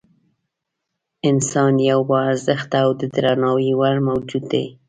انسان یو با ارزښته او د درناوي وړ موجود دی.